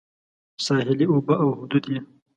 ساحلي اوبه او حدود یې